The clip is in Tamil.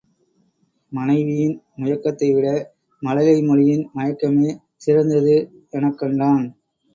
மனைவியின் முயக்கத்தைவிட மழலை மொழியின் மயக்கமே சிறந்தது எனக்கண்டான்.